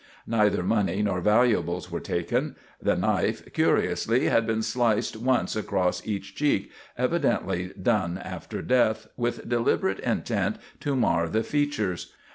Neither money nor valuables were taken. The knife, curiously, had been sliced once across each cheek, evidently done after death, with deliberate intent to mar the features.